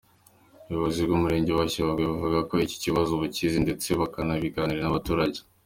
Ubuyobozi bw’Umurenge wa Shyogwe buvuga ko iki kibazo bukizi, ndetse banakiganiriye n’abaturage.